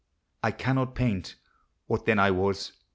I cannot paint What then J was.